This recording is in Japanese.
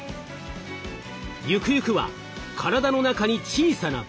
ゆくゆくは体の中に小さな病院が！？